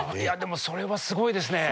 それはすごいですね。